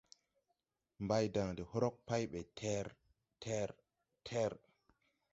Mbaydan de hrog pay ter! Ter! ter!